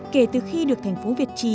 kể từ khi được thành phố việt trì